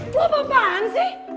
gua apaan sih